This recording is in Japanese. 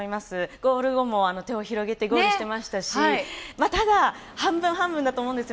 ゴール後も手を広げてゴールしていましたし、ただ半分半分だと思います。